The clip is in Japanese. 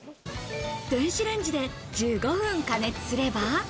電子レンジで１５分加熱すれば。